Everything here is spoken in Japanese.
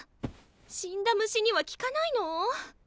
死んだ虫には効かないの？